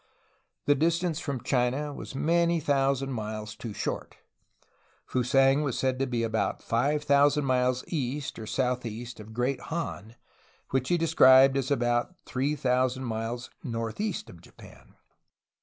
The distance from China was many thousand miles too short; Fusang was said to be about five thousand miles east, or southeast, of Great Han, which he described as about three thousand miles northeast of Japan.